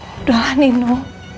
udah lah nino